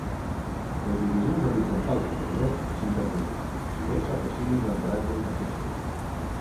Les divisions horitzontals interiors s'han perdut, si bé s'aprecien els ancoratges d'aquestes.